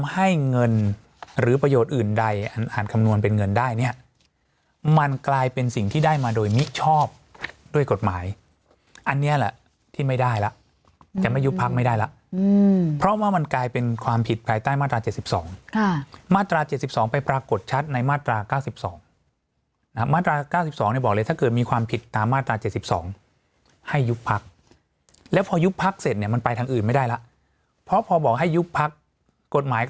ให้เงินหรือประโยชน์อื่นใดอ่านอ่านคำนวณเป็นเงินได้เนี้ยมันกลายเป็นสิ่งที่ได้มาโดยมิชอบด้วยกฎหมายอันเนี้ยแหละที่ไม่ได้ล่ะจะไม่ยุบพักไม่ได้ล่ะอืมเพราะว่ามันกลายเป็นความผิดภายใต้มาตราเจ็ดสิบสองค่ะมาตราเจ็ดสิบสองไปปรากฏชัดในมาตราเก้าสิบสองนะครับมาตราเก้าสิบสองเนี้ย